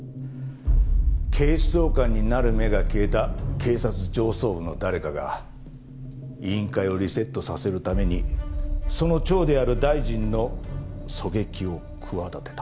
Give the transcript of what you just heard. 警視総監になる目が消えた警察上層部の誰かが委員会をリセットさせるためにその長である大臣の狙撃を企てた。